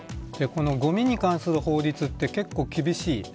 ごみに関する法律は結構厳しい。